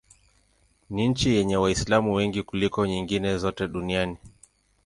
Ni nchi yenye Waislamu wengi kuliko nyingine zote duniani.